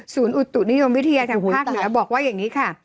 อุตุนิยมวิทยาทางภาคเหนือบอกว่าอย่างนี้ค่ะ